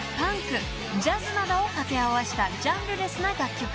ジャズなどを掛け合わせたジャンルレスな楽曲］